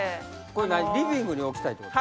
これリビングに置きたいってこと？